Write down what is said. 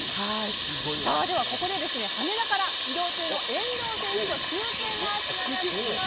では、ここで羽田から移動中の遠藤選手と中継がつながっています。